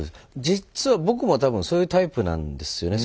実は僕も多分そういうタイプなんですよね。